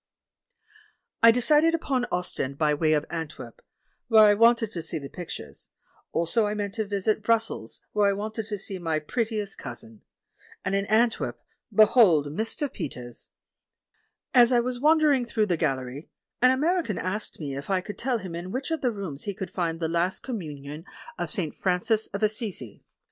I decided upon Ostend, by way of Antwerp, where I wanted to see the pictures ; also I meant to visit Brussels, where I wanted to see my pret tiest cousin. And in Antwerp — behold Mr. Pe ters! As I was wandering through the gallery, an American asked me if I could tell him in which of the rooms he would find "The Last Commun ion of St. Francis of Assisi."